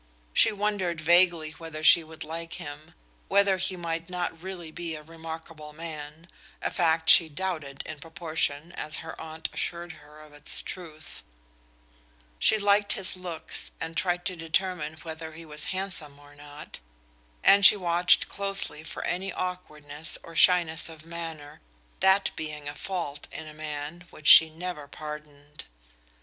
She wondered vaguely whether she would like him, whether he might not really be a remarkable man a fact she doubted in proportion as her aunt assured her of its truth; she liked his looks and tried to determine whether he was handsome or not, and she watched closely for any awkwardness or shyness of manner, that being the fault in a man which she never pardoned.